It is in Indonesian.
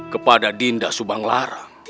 kepada dinda subang lara